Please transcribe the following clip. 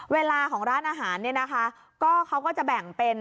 เวลาของร้านอาหารเนี่ยนะคะก็เขาก็จะแบ่งเป็น